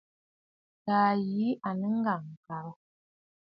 Taà yì à nɨ̂ ŋ̀gàŋkabə̂.